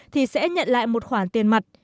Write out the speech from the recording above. thì sẽ nhận lại một khoản tiền mặt